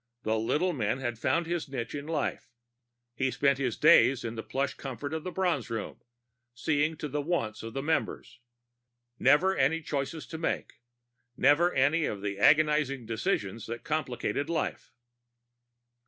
The little man had found his niche in life; he spent his days in the plush comfort of the Bronze Room, seeing to the wants of the members. Never any choices to make, never any of the agonizing decisions that complicated life.